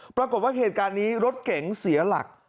ปรากฏว่าเหตุการณ์นี้รถเก๋งเสียหลัก